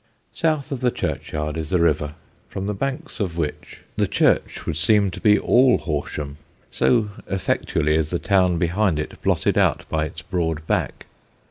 South of the churchyard is the river, from the banks of which the church would seem to be all Horsham, so effectually is the town behind it blotted out by its broad back.